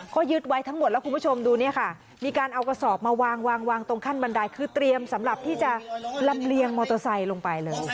ก็ยึดไว้ทั้งหมดแล้วคุณผู้ชมดูเนี่ยค่ะมีการเอากระสอบมาวางวางตรงขั้นบันไดคือเตรียมสำหรับที่จะลำเลียงมอเตอร์ไซค์ลงไปเลย